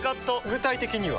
具体的には？